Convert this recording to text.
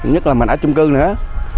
nhất là mình ở chung cư nữa